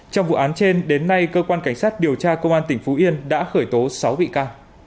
trong vụ án trên đến nay cơ quan cảnh sát điều tra công an tỉnh phú yên đã khởi tố sáu bị ca